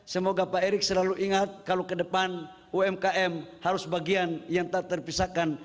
semoga pak erick selalu ingat kalau ke depan umkm harus bagian yang tak terpisahkan